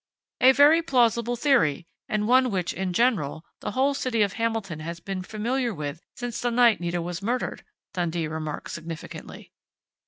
"A very plausible theory, and one which, in general, the whole city of Hamilton has been familiar with since the night Nita was murdered," Dundee remarked significantly.